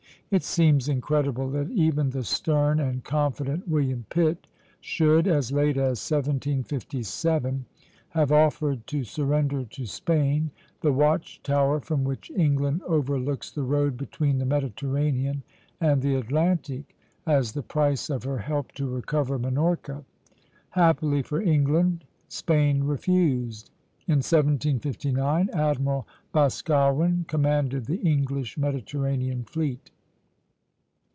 It seems incredible that even the stern and confident William Pitt should, as late as 1757, have offered to surrender to Spain the watch tower from which England overlooks the road between the Mediterranean and the Atlantic, as the price of her help to recover Minorca. Happily for England, Spain refused. In 1759, Admiral Boscawen commanded the English Mediterranean fleet.